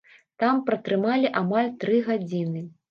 Там пратрымалі амаль тры гадзіны.